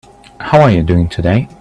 How are you doing today?